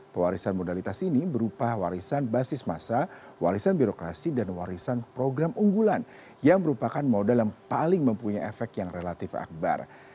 pewarisan modalitas ini berupa warisan basis masa warisan birokrasi dan warisan program unggulan yang merupakan modal yang paling mempunyai efek yang relatif akbar